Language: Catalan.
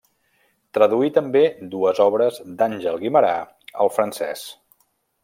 Traduí també dues obres d'Àngel Guimerà al francès.